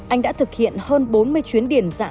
anh đã thực hiện hơn bốn mươi chuyến điển dạ